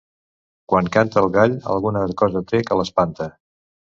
Quan canta el gall, alguna cosa té que l'espanta.